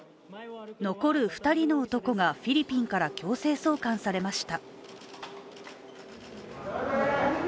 残る２人の男がフィリピンから強制送還されました。